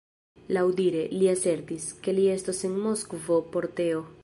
Laŭdire, li asertis, ke li estos en Moskvo por teo.